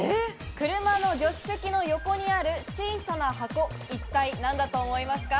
車の助手席の横にある小さな箱、一体なんだと思いますか？